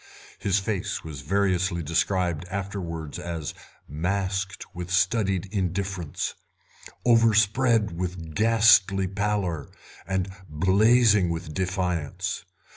His face was variously described afterwards as masked with studied indifference, overspread with ghastly pallor, and blazing with defiance.